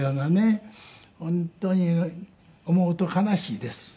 本当に思うと悲しいです。